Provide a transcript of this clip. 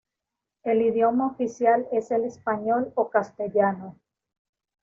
El idioma oficial es el español o castellano.